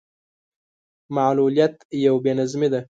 معلوليت يو بې نظمي ده.